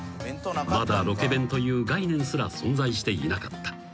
［まだロケ弁という概念すら存在していなかった］